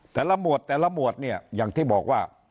แต่ละหมวดแต่ละหมวดอย่างที่บอกว่า